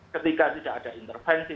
ketika tidak ada intervensi